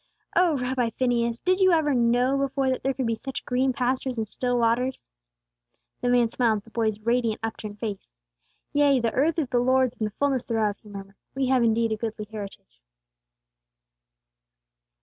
Oh, Rabbi Phineas, did you ever know before that there could be such green pastures and still waters?" The man smiled at the boy's radiant, upturned face. "'Yea, the earth is the Lord's and the fulness thereof,'" he murmured. "We have indeed a goodly heritage."